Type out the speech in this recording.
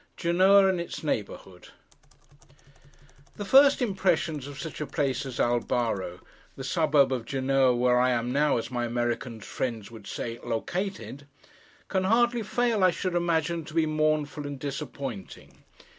GENOA AND ITS NEIGHBOURHOOD THE first impressions of such a place as ALBARO, the suburb of Genoa, where I am now, as my American friends would say, 'located,' can hardly fail, I should imagine, to be mournful and disappointing.